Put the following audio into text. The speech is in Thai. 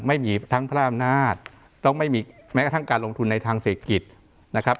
ไม่มีทั้งพระอำนาจต้องไม่มีแม้กระทั่งการลงทุนในทางเศรษฐกิจนะครับ